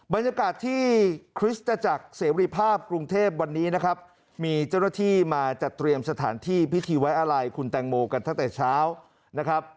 บรรยากาศที่คริสตจักรเสรีภาพกรุงเทพวันนี้นะครับมีเจ้าหน้าที่มาจัดเตรียมสถานที่พิธีไว้อาลัยคุณแตงโมกันตั้งแต่เช้านะครับ